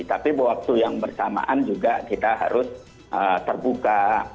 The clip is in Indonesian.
tapi waktu yang bersamaan juga kita harus terbuka